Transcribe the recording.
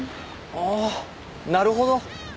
ああなるほど。